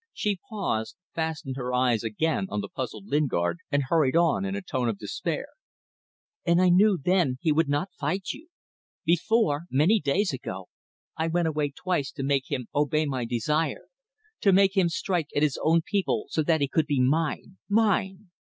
She paused, fastened her eyes again on the puzzled Lingard, and hurried on in a tone of despair "And I knew then he would not fight you! Before many days ago I went away twice to make him obey my desire; to make him strike at his own people so that he could be mine mine!